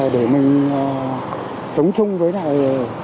để mình sống chung với lại